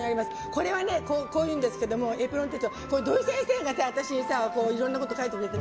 これはね、こういうんですけど「エプロン手帖」土井先生が私にいろいろなことを書いてくれて。